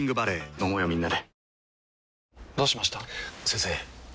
飲もうよみんなで。